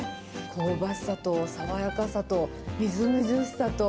香ばしさと爽やかさとみずみずしさと。